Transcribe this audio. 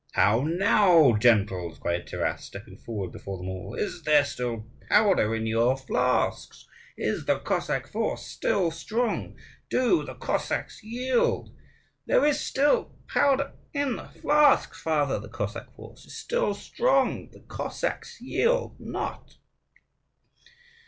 "How now, gentles?" cried Taras, stepping forward before them all: "is there still powder in your flasks? Is the Cossack force still strong? do the Cossacks yield?" "There is still powder in the flasks, father; the Cossack force is still strong: the Cossacks yield not!"